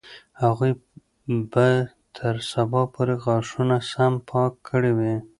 هغوی به تر سبا پورې غاښونه سم پاک کړي وي.